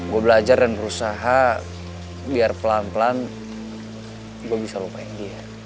gue bisa lupa yang dia